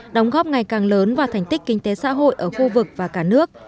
đóng góp ngày càng lớn vào thành tích kinh tế xã hội ở khu vực và cả nước